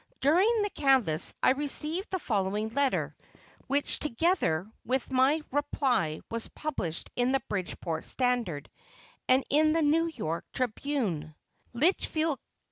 During the canvass I received the following letter, which, together with my reply, was published in the Bridgeport Standard and in the New York Tribune: LITCHFIELD CO.